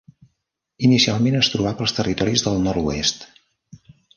Inicialment, es trobava als Territoris del Nord-oest.